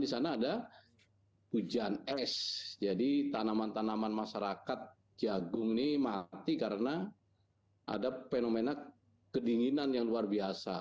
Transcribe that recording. di sana ada hujan es jadi tanaman tanaman masyarakat jagung ini mati karena ada fenomena kedinginan yang luar biasa